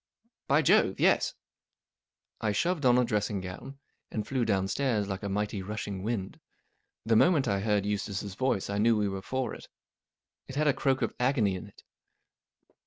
" By Jove, yes !" I shoved on a dressing gown, and flew downstairs like a mighty, rushing wind. The moment I heard Eustace's voice I knew we were for it. It had a croak of agony in it.